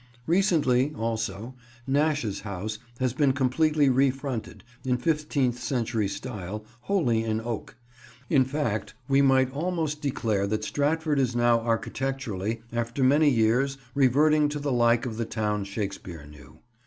Recently, also, Nash's House has been completely refronted, in fifteenth century style, wholly in oak. In fact, we might almost declare that Stratford is now architecturally, after many years, reverting to the like of the town Shakespeare knew.